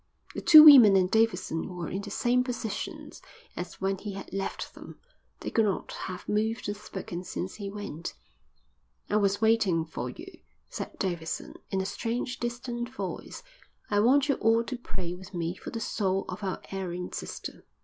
The two women and Davidson were in the same positions as when he had left them. They could not have moved or spoken since he went. "I was waiting for you," said Davidson, in a strange, distant voice. "I want you all to pray with me for the soul of our erring sister."